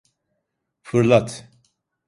Fırlat!